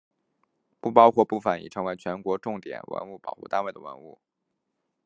不包括部分已成为全国重点文物保护单位的文物。